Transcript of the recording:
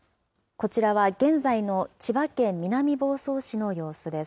こちらは現在の千葉県南房総市の様子です。